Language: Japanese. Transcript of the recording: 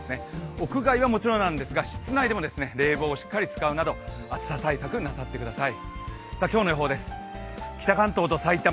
屋外はもちろんなんですが、室内でも冷房をしっかり使うなど暑さ対策なさってください。